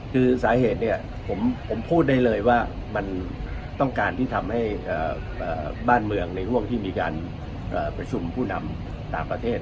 คือสาเหตุเนี่ยผมพูดได้เลยว่ามันต้องการที่ทำให้บ้านเมืองในห่วงที่มีการประชุมผู้นำต่างประเทศ